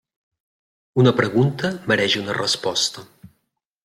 Una pregunta mereix una resposta.